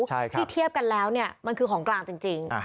ที่เทียบกันแล้วเนี่ยมันคือของกลางจริง